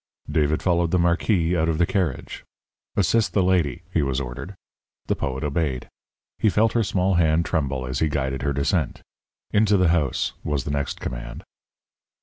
David followed the Marquis out of the carriage. "Assist the lady," he was ordered. The poet obeyed. He felt her small hand tremble as he guided her descent. "Into the house," was the next command.